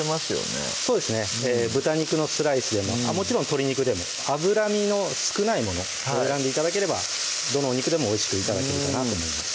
そうですね豚肉のスライスでももちろん鶏肉でも脂身の少ないものを選んで頂ければどのお肉でもおいしく頂けるかなと思います